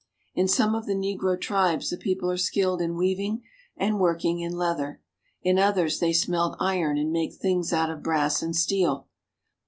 In some of the negro tribes the people are skilled in weaving and working in leather, in others they smelt iron and make things out of brass and steel.